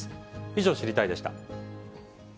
以上、知りたいッ！でした。